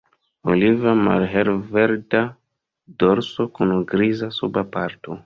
Oliva malhelverda dorso kun griza suba parto.